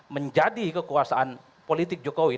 menjadi kekuasaan politik jokowi